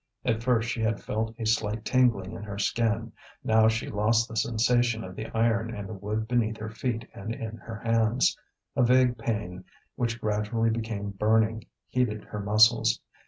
At first she had felt a slight tingling in her skin. Now she lost the sensation of the iron and the wood beneath her feet and in her hands. A vague pain, which gradually became burning, heated her muscles.